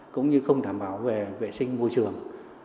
cũng như không đảm bảo về vệ sinh môi trường